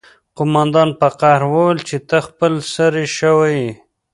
قومندان په قهر وویل چې ته خپل سری شوی یې